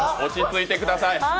落ち着いてください。